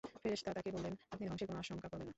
ফেরেশতা তাকে বললেন, আপনি ধ্বংসের কোন আশংকা করবেন না।